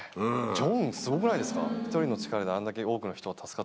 ジョン、すごくないですか。